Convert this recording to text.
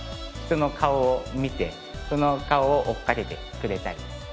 人の顔を見てその顔を追いかけてくれたり。